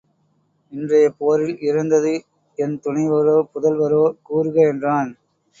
இன்றைய போரில் இறந்தது என் துணைவரோ புதல்வரோ கூறுக என்றான்.